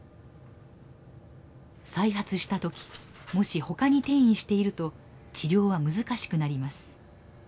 再発した時もしほかに転移していると治療は難しくなります。